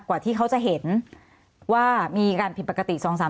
กว่าที่เขาจะเห็นว่ามีการผิดปกติ๒๓๓